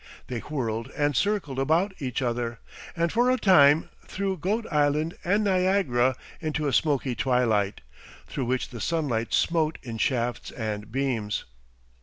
They whirled and circled about each other, and for a time threw Goat Island and Niagara into a smoky twilight, through which the sunlight smote in shafts and beams.